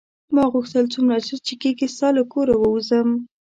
ما غوښتل څومره ژر چې کېږي ستا له کوره ووځم.